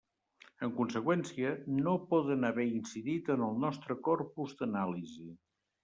En conseqüència, no poden haver incidit en el nostre corpus d'anàlisi.